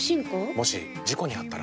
もし事故にあったら？